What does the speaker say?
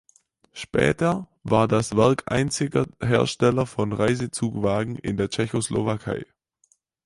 Später war das Werk einziger Hersteller von Reisezugwagen in der Tschechoslowakei.